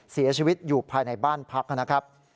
เสียชีวิตอยู่ภายในบ้านพักนะครับ